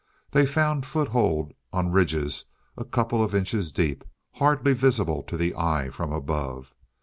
They found foothold on ridges a couple of inches deep, hardly visible to the eye from above.